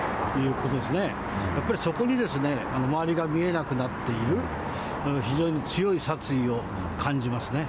これ、そこに周りが見えなくなっている、非常に強い殺意を感じますね。